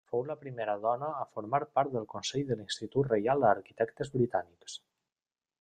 Fou la primera dona a formar part del Consell de l'Institut Reial d'Arquitectes Britànics.